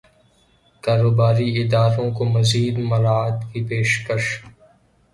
کاروباری اداروں کو مزید مراعات کی پیشکش